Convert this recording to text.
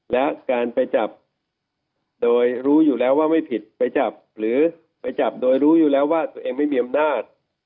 และการไปจับโดยรู้อยู่แล้วว่าไม่ผิดไปจับหรือไปจับโดยรู้อยู่แล้วว่าตัวเองไม่มีอำนาจ